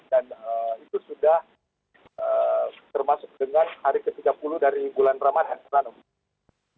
dan itu sudah termasuk dengan hari ke tiga puluh dari bulan ramadhan